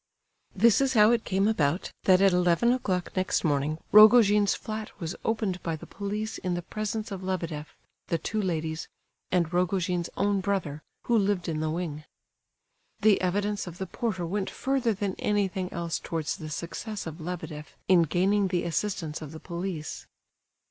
This is how it came about that at eleven o'clock next morning Rogojin's flat was opened by the police in the presence of Lebedeff, the two ladies, and Rogojin's own brother, who lived in the wing. The evidence of the porter went further than anything else towards the success of Lebedeff in gaining the assistance of the police.